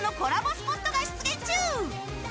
スポットが出現中。